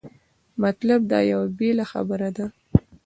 مطلب دا یوه بېله خبره ده.